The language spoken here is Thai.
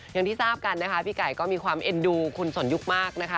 อย่างที่ทราบกันนะคะพี่ไก่ก็มีความเอ็นดูคุณสนยุคมากนะคะ